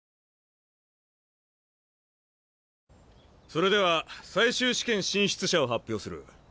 それでは最終試験進出者を発表する。